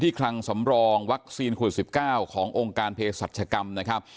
คลังสำรองวัคซีนโควิด๑๙ขององค์การเพศรัชกรรมนะครับ